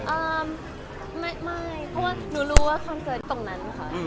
อ่าไม่ไม่เพราะว่าหนูรู้ว่าคอนเสิร์ตตรงนั้นค่ะ